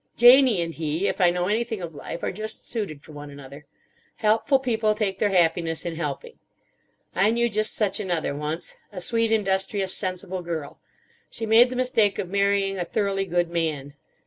Janie and he, if I know anything of life, are just suited for one another. Helpful people take their happiness in helping. I knew just such another, once: a sweet, industrious, sensible girl. She made the mistake of marrying a thoroughly good man.